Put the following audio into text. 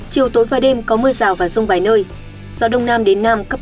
chiều tối và đêm có mưa rào và rông vài nơi gió đông nam đến nam cấp hai ba